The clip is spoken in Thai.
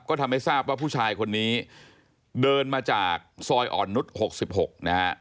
ก็ทำให้ทราบว่าผู้ชายคนนี้เดินมาจากซอยอ่อนนุษย์๖๖นะฮะ